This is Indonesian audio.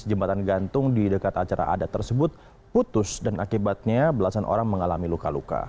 jembatan gantung di dekat acara adat tersebut putus dan akibatnya belasan orang mengalami luka luka